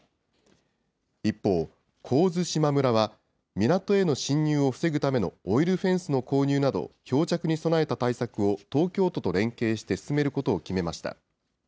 一方、神津島村は、港への侵入を防ぐためのオイルフェンスの購入など、漂着に備えた対策を東京都と連携して進めることを決めました。